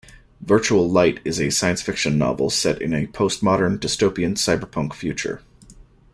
"Virtual Light" is a science-fiction novel set in a postmodern, dystopian, cyberpunk future.